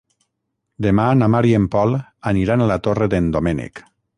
Demà na Mar i en Pol aniran a la Torre d'en Doménec.